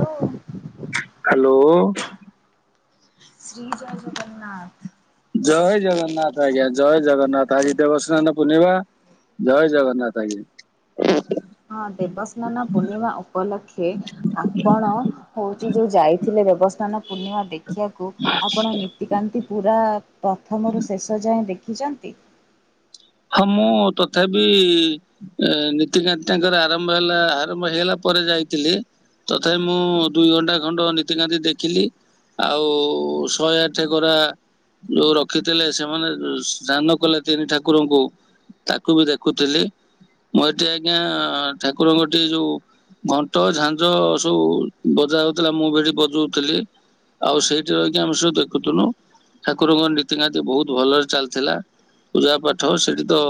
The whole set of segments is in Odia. ହୁଁ। ହାଲୋ। ଶ୍ରୀ ଜୟ ଜଗନ୍ନାଥ। ଜୟ ଜଗନ୍ନାଥ ଆଜ୍ଞା ଜୟ ଜଗନ୍ନାଥ‌ ଆଜି ଦେବସ୍ନାନ ପୂର୍ଣ୍ଣିମା। ଜୟ ଜଗନ୍ନାଥ ଆଜ୍ଞା। ହଁ ଦେବସ୍ନାନ ପୂର୍ଣ୍ଣିମା ଉପଲକ୍ଷେ। ଆପଣ ହଉଛି ଯୋଉ ଯାଇଥିଲେ ଦେବସ୍ଥାନ ପୂର୍ଣ୍ଣିମା ଦେଖିବାକୁ। ଆପଣ ନୀତିକାନ୍ତି ପୁରା ପ୍ରଥମରୁ ଶେଷ ଯାଏଁ ଦେଖିଛନ୍ତି। ହଁ ମୁଁ ତଥାପି। ଏଁ ନୀତିକାନ୍ତି ତାଙ୍କର ଆରମ୍ଭ ହେଲା ଆରମ୍ଭ ହେଇଗଲା ପରେ ଯାଇଥିଲି। ତଥାପ ମୁଁ ଦୁଇ ଘଣ୍ଟା ଖଣ୍ଡେ ହବ ନୀତିକାନ୍ତି ଦେଖିଲି। ଆଉ ଶହେ ଆଠେ ଗରା। ଯୋଉ ରଖିଥିଲେ ସେମାନେ ସ୍ନାନ କଲେ ତିନି ଠାକୁ କୁରଙ୍କୁ ତାକୁ ବି ଦେଖୁଥିଲି। ମୁଁ ହେଠି ଆଜ୍ଞା ଠାକୁରଙ୍କ ଟିକେ ଯୋଉ। ଘଣ୍ଟ ଝାଞ୍ଜ ସବୁ ବଜା ହଉଥିଲା ମୁଁ ବି ସେଠି ବଜଉଥିଲି। ଆଉ ସେଇଠି ରହିକି ଆମେ ସବୁ ଦେଖୁଥିଲୁ। ଠାକୁରଙ୍କ ନୀତିକାନ୍ତି ବହୁତ ଭଲରେ ଚାଲିଥିଲା ପୂଜା ପାଠ। ସେଠି ତ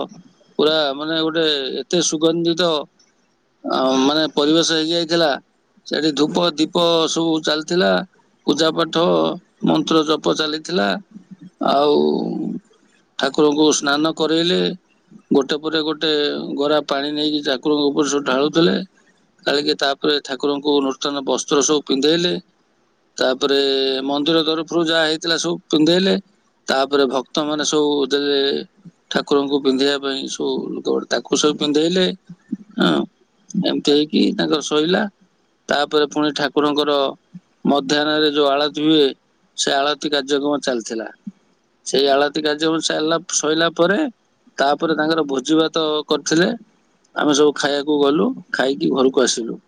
ପୁରା ମାନେ ଗୋଟେ ଏତେ ସୁଗନ୍ଧିତ। ଆ ମାନେ ପରିବେଶ ହେଇ ଯାଇଥିଲା। ସେଠି ଧୂପ ଦୀପ ସବୁ ଚାଲିଥିଲା। ପୂଜା ପାଠ ମନ୍ତ୍ର ଜପ ଚାଲିଥିଲା। ଆଉ ଠାକୁରଙ୍କୁ ସ୍ନାନ। କରେଇଲେ ଗୋଟେ ପରେ ଗୋଟେ ଗରା ପାଣି ନେଇକି ଠାକୁରଙ୍କ ଉପରେ ସବୁ ଢାଳୁଥିଲେ। ଢାଳିକି ତାପରେ ଠାକୁରଙ୍କୁ ନୂତନ ବସ୍ତ୍ର ସବୁ ପିନ୍ଧେଇଲେ। ତାପରେ ମନ୍ଦିର ତରଫରୁ ଯାହା ହେଇଥିଲା ସବୁ ପିନ୍ଧେଇଲେ। ତାପରେ ଭକ୍ତ ମାନେ ସବୁ ଦେ ଠାକୁରଙ୍କୁ ପିନ୍ଧେଇବା ପାଇଁ ସବୁ ଲୁଗା ପଟା‌ ତାକୁ ସବୁ ପିନ୍ଧେଇଲେ ହଁ। ଏମିତି ହେଇକି ତାଙ୍କର ଶଇଲା ତାପରେ ପୁଣି ଠାକୁରଙ୍କର। ମଧ୍ୟାହ୍ନରେ ଯୋଉ ଆଳତି ହୁଏ ସେ ଆଳତି କାର୍ଯ୍ୟକ୍ରମ ଚାଲିଥିଲା। ସେଇ ଆଳତି କାର୍ଯ୍ୟ କ୍ରମ ସାଇଲା ସଇଲା ପ ରେ ତା ପରେ ତାପରେ ତାଙ୍କର ଭୋଜି ଭାତ କରିଥିଲେ। ଆମେ ସବୁ ଖାଇବାକୁ ଗଲୁ ଖାଇକି ଘରକୁ ଆସିଲୁ।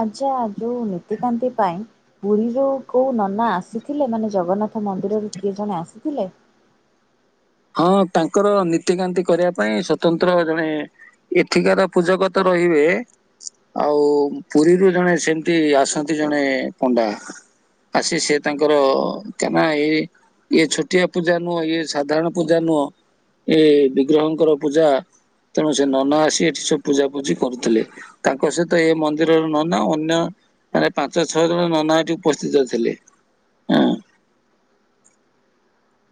ଆଚ୍ଛା ଯୋଉ ନୀତିକାନ୍ତି ପାଇଁ ପୁରୀରୁ କୋଉ ନନା ଆସିଥିଲେ ମାନେ ଜଗନ୍ନାଥ। ନାଥ ମନ୍ଦିରରୁ କିଏ ଜଣେ ଆସିଥିଲେ। ହଁ ତାଙ୍କର ନୀତିକାନ୍ତି କରିବା ପାଇଁ ସ୍ଵତନ୍ତ୍ର ଜଣେ। ଏଠିକାର ପୂଜକ ତ ରହିବେ। ଆଉ ପୁରୀରୁ ଜଣେ ସେମିତି ଆସନ୍ତି ଜଣେ ପଣ୍ଡା। ଆସି ସିଏ ତାଙ୍କର କାହିଁ ନା ଏଇ ଇଏ ଛୋଟିଆ ପୂଜା ନୁହଁ ଇଏ ସାଧାରଣ। ପୂଜା ନୁହଁ ଏ ବିଗ୍ରହଙ୍କର ପୂଜା। ତେଣୁ ସେ ନନା ଆସି ଏଠି ସବୁ ପୂଜାପୂଜି କରୁଥିଲେ। ତାଙ୍କ ସହିତ ଏ ମନ୍ଦିରର ନନା ଅନ୍ୟ। ମାନେ ପାଞ୍ଚ ଛଅ ଜଣ ନନା ଏଠି ଉପସ୍ଥିତ ଥିଲେ ହେଁ।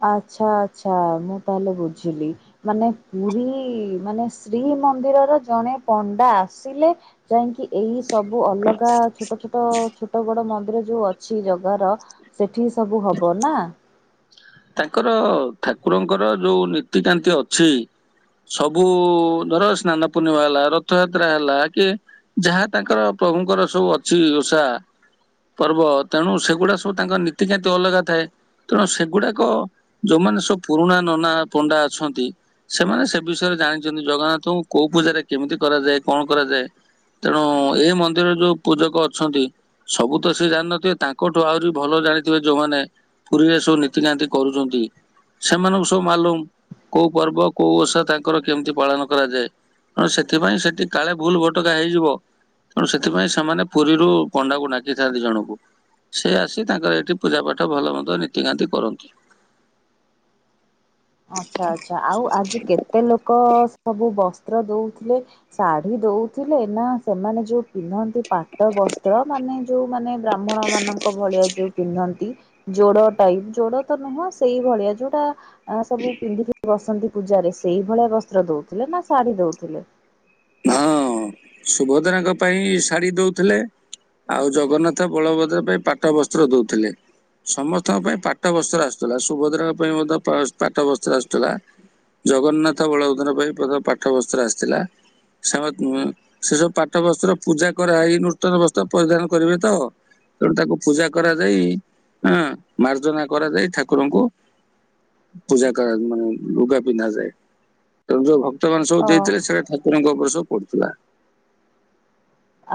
ଆଚ୍ଛା ଆଚ୍ଛା ମୁଁ ତାହେଲେ ବୁଝିଲି। ମାନେ ପୁରୀ ମାନେ ଶ୍ରୀମନ୍ଦିରର ଜଣେ ପଣ୍ଡା ଆସିଲେ। ଯାଇଁକି ଏଇ ସବୁ ଅଲଗା ଛୋଟ ଛୋଟ ଛୋଟ ବଡ ମନ୍ଦିର ଯୋଉ ଅଛି ଜଗାର। ସେଠି ସବୁ ହବ ନା। ତାଙ୍କର ଠାକୁରଙ୍କର ଯୋଉ ନୀତିକାନ୍ତି ଅଛି। ସବୁ ଧର ସ୍ନାନ ପୂର୍ଣ୍ଣିମା ହେଲା ରଥଯାତ୍ରା ହେଲା କି ଯାହା ତାଙ୍କର ପ୍ରଭୁଙ୍କର ସବୁ ଅଛି ଓଷା। ପର୍ବ ତେଣୁ ସେଗୁଡା ସବୁ ତାଙ୍କର ନୀତିକାନ୍ତି ଅଲଗା ଥାଏ। ତେଣୁ ସେଗୁଡା କ ଯୋଉମାନେ ସବୁ ପୁରୁଣା ନନା ପଣ୍ଡା ଅଛନ୍ତି। ସେମାନେ ସେ ବିଷୟରେ ଜାଣିଚନ୍ତି। ଜଗନ୍ନାଥଙ୍କୁ କୋଉ ପୂଜାରେ କେମିତି କରାଯାଏ କଣ କରାଯାଏ। ତେଣୁ ଏଇ ମନ୍ଦିରରେ ଯୋଉ ପୂଜକ ଅଛନ୍ତି। ସବୁ ତ ସିଏ ଜାଣିନଥିବେ ତାଙ୍କଠୁ ଆହୁରି ଭଲ ଜାଣିଥିବେ ଯୋଉମାନେ ପୁରିରେ ସବୁ ନି ତି କାନ୍ତି କରୁଚନ୍ତି। ସେମାନଙ୍କୁ ସବୁ ମାଲୁମ। କୋଉ ପର୍ବ କୋଉ ଓଷା ତାଙ୍କର କେମିତି ପାଳନ କରାଯାଏ। ସେଥିପାଇଁ ସେଠି କାଳେ ଭୁଲ ଭଟକା ହେଇଯିବ। ତେଣୁ ସେଥିପାଇଁ ସେମାନେ ପୁରିରୁ ପଣ୍ଡାକୁ ଡାକିଥାନ୍ତି ଜଣକୁ। ସେ ଆସି ତାଙ୍କର ଏଇଠି ପୂଜା ପାଠ ଭଲ ମନ୍ଦ ନୀତିକାନ୍ତି କରନ୍ତି। ଆଚ୍ଛା ଆଚ୍ଛା ଆଉ ଆଜି କେତେ ଲୋକ ସବୁ ବସ୍ତ୍ର ଦୋଉଥିଲେ। ଶାଢୀ ଦଉଥିଲେ ନା ସେମାନେ ଯୋଉ ପିନ୍ଧନ୍ତି ପାଟ ବସ୍ତ୍ର ମାନେ ଯୋଉମାନେ ବ୍ରାହ୍ମଣମାନଙ୍କ ଭଳିଆ ଯୋଉ ପିନ୍ଧନ୍ତି। ଯୋଡ ଟାଇପ୍ ଯୋଡ ତ ନୁହଁ ସେଇଭଳିଆ ଯୋଉଟା ଆ ସବୁ ପିନ୍ଧିକି ବସନ୍ତି ପୂଜାରେ ସେଇଭଳିଆ ବସ୍ତ୍ର ଦୋଉଥିଲେ ନା ଶାଢ଼ୀ ଦେଉଥିଲେ? ହଁ ସୁଭଦ୍ରାଙ୍କ ପାଇଁ ଶାଢୀ ଦୋଉଥିଲେ। ଆଉ ଜଗନ୍ନାଥ, ବଳଭଦ୍ର ପାଇଁ ପାଠ ବସ୍ତ୍ର ଦୋଉଥିଲେ। ସମସ୍ତଙ୍କ ପାଇଁ ପାଠ ବସ୍ତ୍ର ଆସୁଥିଲା। ସୁଭଦ୍ରାଙ୍କ ପାଇଁ ମଧ୍ୟ ପା-ପାଠ ବସ୍ତ୍ର ଆସୁଥିଲା। ଜଗନ୍ନାଥ ବଳଭ୍ରଦ ପାଇଁ ପାଠବସ୍ତ୍ର ଆସିଥିଲା। ସ ସେ ସବୁ ପାଠ ବସ୍ତ୍ର ପୂଜା କରାହେଇ ନୂତନ ବସ୍ତ୍ର ପରିଧାନ କରିବେ ତ। ତେଣୁ ତାକୁ ପୂଜା କରାଯାଇ। ଆଁ ମାର୍ଜନା କରାଯାଇ ଠାକୁରଙ୍କୁ ପୂଜା କରା ମାନେ ଲୁଗା ପିନ୍ଧା ଯାଏ। ତେଣୁ ଯୋଉ ଭକ୍ତମାନେ ସବୁ ଅ ଦେଇଥିଲେ ସେରା ଠାକୁରଙ୍କ ଉପରେ ସବୁ ପଡିଥିଲା।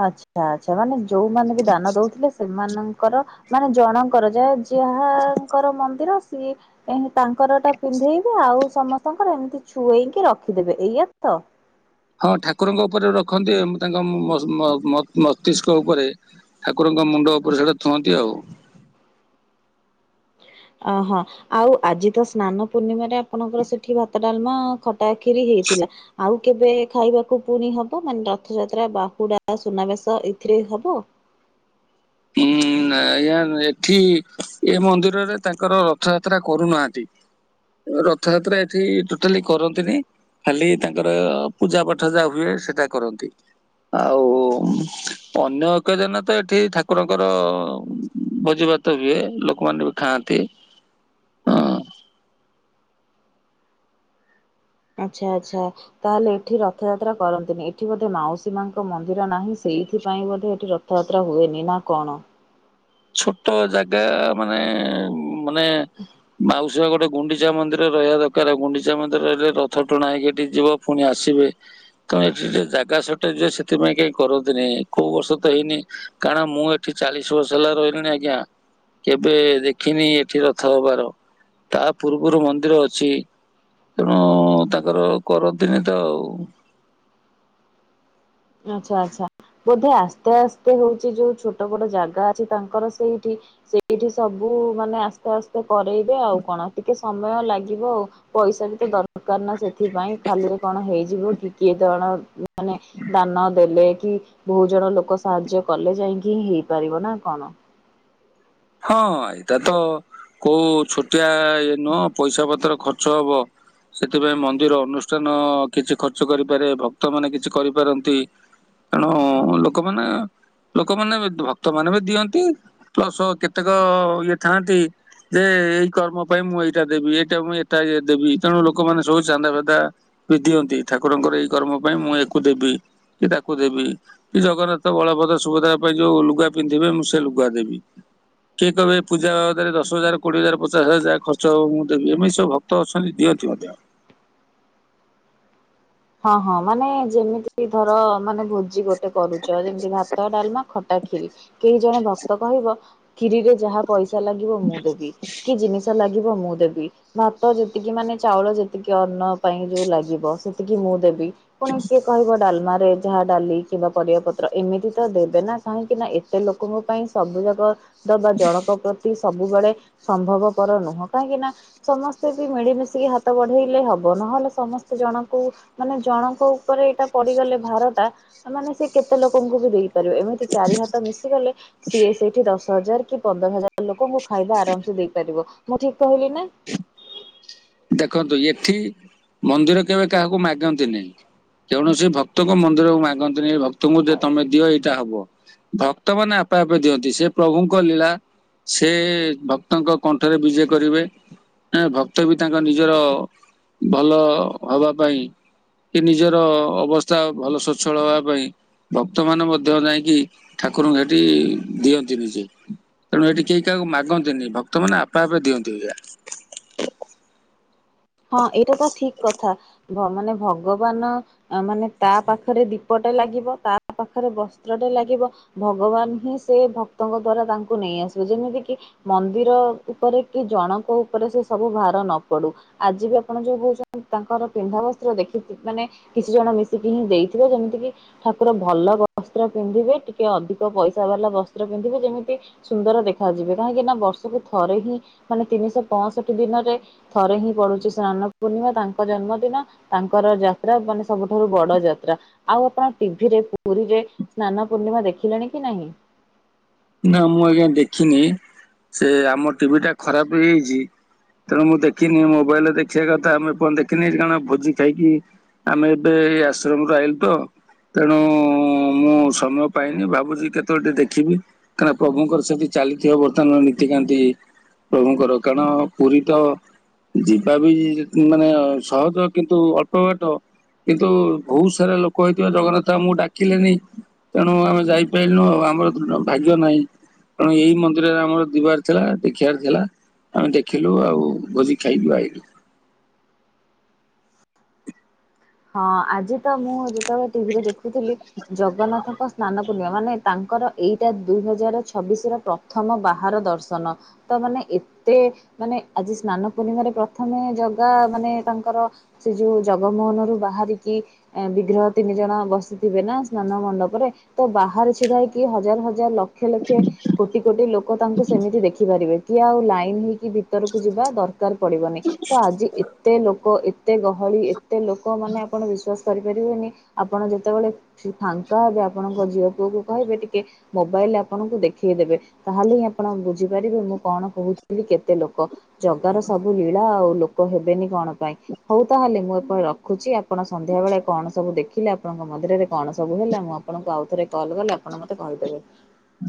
ଆଚ୍ଛା ଆଚ୍ଛା ମାନେ ଯୋଉମାନେ ବି ଦାନ ଦୋଉଥିଲେ। ସେମାନଙ୍କର ମାନେ ଜଣଙ୍କର ଯେ ଯାହାଙ୍କର ମନ୍ଦିର ସିଏ ହେଁ ତାଙ୍କରଟା ପିନ୍ଧେଇବେ ଆଉ ସମ ତାଙ୍କର ଏମିତି ଛୁଏଁଇକି ରଖିଦେବେ ଏଇୟା ତ। ହଁ ଠାକୁରଙ୍କ ଉପରେ ରଖନ୍ତି ତାଙ୍କ ମ-ମ-ମସ୍ତିଷ୍କ ଉପରେ ଠାକୁରଙ୍କ ମୁଣ୍ଡ ଉପରେ ସେଇଟା ଥୁଅନ୍ତି ଆଉ। ଓ ହଁ। ଆଉ ଆଜି ତ ସ୍ନାନ ପୂର୍ଣ୍ଣିମାରେ ଆପଣଙ୍କର ସେଠି ଭାତ, ଡାଲମା, ଖଟା ଖିରି ହେଇଥିଲା। ଆଉ କେବେ ଖାଇବାକୁ ପୁଣି ହବ ମାନେ ରଥଯାତ୍ରା, ବାହୁଡା, ସୁନାବେଶ ଏଥିରେ ହବ? ଉଁ ନାଁ ଆଜ୍ଞା ଏଠି ଏ ମନ୍ଦିରରେ ତାଙ୍କର ରଥଯାତ୍ରା କରୁନାହାନ୍ତି। ରଥଯାତ୍ରା ଏଠି ଟୋଟାଲି କରନ୍ତିନି। ଖାଲି ତାଙ୍କର ପୂଜା ପାଠ ଯାହା ହୁଏ ସେଟା କରନ୍ତି। ଆଉ ଅନ୍ୟ ଏକ ଦିନ ତ ଏଠି ଠା କୁରଙ୍କର ଭୋଜିଭାତ ହୁଏ। ଲୋକମାନେ ବି ଖାଆନ୍ତି। ହଁ। ଆଚ୍ଛା ଆଚ୍ଛା ତାହେଲେ ଏଠି ରଥଯାତ୍ରା କରନ୍ତିୁନି। ଏଠି ବୋଧେ ମାଉସୀ ମାଙ୍କ ମନ୍ଦିର ନାହିଁ ସେଇଥିପାଇଁ ବୋଧେ ଏଠି ରଥଯାତ୍ରା ହୁଏନି ନା କଣ? ଛୋଟ ଜାଗା ମାନେ ମାନେ ମାଉ ଗୋଟେ ଗୁଣ୍ଡିଚା ମନ୍ଦିର ରହିବା ଦରକାର। ଗୁଣ୍ଡିଚା ମନ୍ଦିର ରହିଲେ ରଥ ଟଣା ହେଇକି ହେଠିକି ଯିବ ପୁଣି ଆସିବେ। ତମ ଏଠି ଟିକେ ଜାଗା ସଟେଯ ସେଥିପାଇଁ କାଇଁ କରନ୍ତିନି କୋଉ ବର୍ଷ ତ ହେଇନି। କାରଣ ମୁଁ ଏଠି ଚାଳିଶ ବର୍ଷ ହେଲା ରହିଲିଣି ଆଜ୍ଞା। କେବେ ଦେଖିନି ଏଠି ରଥ ହବାର ତା ପୂର୍ବରୁ ମନ୍ଦିର ଅଛି। ତେଣୁ ତାଙ୍କର କରନ୍ତିନି ତ ଆଉ। ଆଚ୍ଛା ଆଚ୍ଛା। ବୋଧେ ଆସ୍ତେ ଆସ୍ତେ ହଉଛି ଯୋଉ ଛୋଟ ବଟ ଜାଗା ଅଛି ତାଙ୍କର ସେଇଠି ସେଇଠି ସବୁ ମାନେ ଆସ୍ତେ ଆସ୍ତେ କରେଇବେ ଆଉ କଣ ଟିକେ ସମୟ ଲାଗିବ ଆଉ। ପଇସାବିତ ଦରକାର ନା ସେଥିପାଇଁ ଖାଲିରେ କଣ ହେଇଯିବ କି କିଏ ଦଣ ମାନେ ଦାନ ଦେଲେ କି ବହୁ ଜଣ ଲୋକ ସାହାଯ୍ୟ କଲେ ଯାଇକି ହିଁ ହେଇପାରିବ ନା କଣ? ହଁ ଏଇଟା ତ କୋଉ ଛୋଟିଆ ଇ ନୁହଁ ପଇସା ପତ୍ର ଖର୍ଚ୍ଚ ହବ। ସେଥିପାଇଁ ମନ୍ଦିର ଅନୁଷ୍ଠାନ କିଛି ଖର୍ଚ୍ଚ କରିପାରେ ଭକ୍ତ ମାନ କିଛି କରିପାରନ୍ତି। ତେଣୁ ଲୋକମାନେ ଲୋକମାନେ ଭକ୍ତ ମାନ ବି ଦିଅନ୍ତି ପ୍ଲସ କେତେ ପ୍ରତେକ ଇଏ ଥାନ୍ତି ଯେ ଏଇ କର୍ମ ପାଇଁ ମୁଁ ଏଇଟା ଦେବି ଏଇଟା ମୁଁ ଏଟା ଦେବି ତେଣୁ ଲୋକମାନେ ସବୁ ଚାନ୍ଦା ଫାଧା ବି ଦିଅନ୍ତି ଠାକୁରଙ୍କର ଏଇ କର୍ମ ପାଇଁ ମୁଁ ଏକୁ ଦେବି କି ତାକୁ ଦେବି। କି ଜଗନ୍ନାଥ ବଳବଭଦ୍ର ସୁଗଦା ପାଇଁ ଯୋଉ ଲୁଗା ପିନ୍ଧିବେ ମୁଁ ସେ ଲୁଗା ଦେବି। କିଏ କଇବେ ପୂଜା ବାବଦରେ ଦଶ ହଜାର କୋଡିଏ ହଜାର ପଚାଶ ହଜାର ଯାହା ଖର୍ଚ୍ଚ ହବ ମୁଁ ଦେବି ଏମିତି ସବୁ ଭକ୍ ଅଛନ୍ତି ଦିଅନ୍ତି ମଧ୍ୟ। ହଁ ହଁ ମାନେ ଯେମିତି ଧର ମାନେ ଭୋଜି ଗ ଗଟେ କରୁଛ ଯେମିତି ଭାତ ଡାଲମା ଖଟା କ୍ଷୀରି କେହି ଜଣେ ଭକ୍ତ କହିବ କ୍ଷୀରିରେ ଯାହା ପଇସା ଲାଗିବ ମୁଁ ଦେବି କି ଜିନିଷ ଲାଗିବ ମୁଁ ଦେବି ଭାତ ଯେତିକି ମାନେ ଚାଉଳ ଯେତିକି ଅନ୍ନ ପାଇଁ ଯୋଉ ଲାଗିବ ସେ ଏତିକି ମୁଁ ଦେବି ପୁଣି କିଏ କହିବ ଡାଲମାରେ ଯାହା ଡାଲି କିମ୍ବା ପରିବା ପତ୍ର ଏମିତି ତ ଦେବେ ନା କାହିଁକି ନା ଏତେ ଲୋକଙ୍କ ପାଇଁ ସବୁ ଯାକ ଦବା ଜଣଙ୍କ ପ୍ରତି ସବୁବେଳେ ସମ୍ଭବପର ନୁହଁ କାହିଁକିନା ସମସ୍ତେ ବି ମିଳିମିଶିକି ହାତ ବଢେଇଲେ ହବ ନହେଲେ ସମସ୍ତେ ଜଣ କୁ ମାନେ ଜଣଙ୍କ ଉପରେ ଏଇଟା ପଡିଗଲେ ଭାରଟା ମାନେ ସିଏ କେତେ ଲୋକଙ୍କୁ ବି ଦେଇପାରିବେ ଏମିତି ଚାରି ହାତ ମିଶିଗଲେ ସିଏ ସେଇଠି ଦଶ ହଜାର କି ପନ୍ଦର ହଜାର ଲୋକଙ୍କୁ ଖାଇବା ଆରାମସ ଦେଇପାରିବ ମୁଁ ଠିକ କହିଲି ନା? ଦେଖନ୍ତୁ ଏଠି ମନ୍ଦିର କେବେ କାହାକୁ ମାଗନ୍ତି ନାହିଁ। କୌଣସି ଭକ୍ତଙ୍କ ମନ୍ଦିରକୁ ମାଗନ୍ତିନି ଭକ୍ତଙ୍କୁ ଯେ ତମେ ଦିଅ ଏଇଟା ହବ। ଭକ୍ତମାନେ ଆପେ ଆପେ ଦିଅନ୍ତି ସେ ପ୍ରଭୁଙ୍କ ଲୀଳା। ସେ ଭକ୍ତଙ୍କ କଣ୍ଠରେ ବିଜେ କରିବେ ଆ ଭକ୍ତ ବି ତାଙ୍କ ନିଜର ଭଲ ହବା ପାଇଁ କି ନିଜର ଅବସ୍ଥା ଭଲ ସ୍ୱଚ୍ଛଳ ହବା ପାଇଁ ଭକ୍ତମାନ ମଧ୍ୟ ଯାଇକି ଠାକୁରଙ୍କୁ ସେଠି ଦିଅନ୍ତି ନିଜେ ତେଣୁ ଏଠି କେହି କାହାକୁ ମାଗନ୍ତିନି ଭକ୍ତମାନେ ଆପେ ଆପେ ଦିଅନ୍ତି ଏଇଆ। ହଁ ଏଇଟା ତ ଠିକ କଥା ଭ ମାନେ ଭଗବାନ ଅ ମାନେ ତା ପାଖରେ ଦୀପଟା ଲାଗିବ ତା ପାଖରେ ବସ୍ତ୍ରଟା ଲାଗିବ ଭଗବାନ ହିଁ ସେ ଭକ୍ତଙ୍କ ଦ୍ଵାରା ତାଙ୍କୁ ନେଇ ଆସିବ ଯେମିତିକି ମନ୍ଦିର ଉପରେ କି ଜଣଙ୍କ ଉପରେ ସେ ସବୁ ଭାର ନ ପଡୁ। ଆଜି ବି ଆପଣ ଯେଉଁ କହୁଛନ୍ତି ତାଙ୍କର ପିନ୍ଧା ବସ୍ତ୍ର ଦେଖି ମାନେ କିଛି ଜଣ ମିଶିକି ହିଁ ଦେଇଥିବ ଯେମିତି କିି ଠାକୁର ଭଲ ବସ୍ତ୍ର ପିନ୍ଧିବେ ଟିକେ ଅଧିକ ପଇସା ବାଲା ବସ୍ତ୍ର ପିନ୍ଧିବେ ଯେମିତି ସୁନ୍ଦର ଦେଖାଯିବେ କାହିଁକିନା ବର୍ଷକୁ ଥରେ ହିଁ ମାନେ ତିନିଶହ ପଅଷଠି ଦିନରେ ଥରେ ହିଁ ପଡୁଛି ସ୍ନାନ ପୂର୍ଣ୍ଣିମା ତାଙ୍କ ଜନ୍ମଦିନ ତାଙ୍କର ଯାତ୍ରା ମାନେ ସବୁଠାରୁ ବଡ ଯାତ୍ରା। ଆଉ ଆପଣ ଟି ଭିରେ ପୁରୀରେ ସ୍ନାନ ପୂର୍ଣ୍ଣିମା ଦେଖିଲେଣି କି ନାହିଁ। ନା ମୁଁ ଆଜ୍ଞା ଦେଖିନି ସେ ଆମ ଟି ଭିଟା ଖରାପ ହେଇଯାଇଛି। ତେଣୁ ମୁଁ ଦେଖିନି ମୋବାଇଲରେ ଦେଖିବା କଥା ମୁଁ ଏପଯ୍ୟନ୍ତ ଦେଖିନି କାରଣ ଭୋଜି ଖାଇକି ଆମେ ଏବେ ଏଇ ଆଶ୍ରମରୁୁ ଆଇଲୁ ତ। ତେଣୁ ଉଁ ମୁଁ ସମୟ ପାଇନି ଭାବୁଛି କେତଳେ ଟେ ଦେଖିବି। କାହିଁନା ପ୍ରଭୁଙ୍କର ସେଠି ଚାଲିଥିବ ବର୍ତ୍ତମାନ ନୀତିକାନ୍ତି ପ୍ରଭୁଙ୍କର କାରଣ ପୁରୀ ତ ଯିବା ଜ ମାନେ ସହଜ କିନ୍ତୁ ଅଳ୍ପ ବାଟ। କିନ୍ତୁ ବହୁତ୍ ସାରା ଲୋକ ହେଇଥିବା ଜଗନ୍ନାଥ ଆମକୁ ଡାକିଲେନି ତେଣୁ ଆମେ ଯାଇପାରିଲୁ ଆଉ ଆମର ଭା ଗ୍ଅ ନାହିଁ ତେଣୁ ଏଇ ମନ୍ଦିରରେ ଆମର ଦିବାର ଥିଲା ଦେଖିବାର ଥିଲା ଆମେ ଦେଖିଲୁ ଆଉ ଭୋଜି ଖାଇଲୁ ଆଇଲୁ ହଁ ଆଜି ତ ମୁଁ ଯେତେବେଳେ ଟିଭିରେ ଦେଖୁଥିଲି ଜଗନ୍ନାଥଙ୍କ ସ୍ନାନ ପୂନ୍ଅ ମାନେ ତାଙ୍କର ଏଇଟା ଦୁଇ ହଜାର ଛବିଶ ର ପ୍ରଥମ ବାହାର ଦର୍ଶନ ତ ମାନେ ଏତେ ମାନେ ଆଜି ସ୍ନାନ ପୂର୍ଣ୍ଣିମାରେ ପ୍ରଥମେ ଜଗା ମାନେ ତାଙ୍କର ସେ ଯୋଉ ଜଗମୋହନରୁୁ ବାହାରିକି ବିଗ୍ରହ ତିନି ଜଣ ବସିଥିବେ ନା ସ୍ନାନ ମଣ୍ଡପରେ ତ ବାହାରେ ଛିଡା ହେଇକି ହଜାର ହଜାର ଲ ଲକ୍ଷେ ଲକ୍ଷେ କୋଟି କୋଟି ଲୋକ ତାଙ୍କୁ ସେମିତି ଦେଖିପାରିବେ କି ଆଉ ଲାଇନ ହେଇକି ଭି ତରକୁ ଯିବା ଦରକାର ପଡିବନି ତ ଆଜି ଏତେ ଲୋକ ଏତେ ଗହଳି ଏତେ ଲୋକ୍ ମେ ଆପଣ ବିଶ୍ଵାସ କରିପାରିବେନି ଆପଣ ଯେତେବେଳେ ଫାଙ୍କା ହେବେ ଆପଣଙ୍କ ଝିଅ ପୁଅକୁ କହିବେ ଟିକେ ମୋବାଇଲ୍ ଆପଣଙ୍କୁ ଦେଖେଇଦେବେ। ତାହେଲେ ହିଁ ଆପଣ ବୁଝିପାରିବେ ମୁଁ କଣ କହୁଥିଲି କେତେ ଲୋକ। ଜଗାର ସବୁ ଲୀଳା ଆଉ ଲୋକ ହେବେନି କଣ ପାଇଁ ହଉ ତାହେଲେ ମୁଁ ଏପ ରଖୁଛି। ଆପଣ ସନ୍ଧ୍ୟାବେେଳେ କଣ ସବୁ ଦେଖିଲେ? ଆପଣଙ୍କ ମନ୍ଦିରରେକଣ ସବୁ ହେଲା ମୁଁ ଆପଣଙ୍କୁ ଆଉ ଥରେ କଲ୍ କଲେ ଆପଣ ମତେ କହିଦେବେ।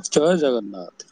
ଜୟ ଜଗନ୍ନାଥ।